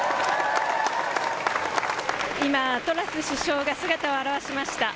今、トラス首相が姿を現しました。